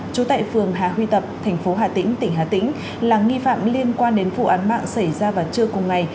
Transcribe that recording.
trú tại phường hà huy tập thành phố hà tĩnh tỉnh hà tĩnh là nghi phạm liên quan đến vụ án mạng xảy ra vào trưa cùng ngày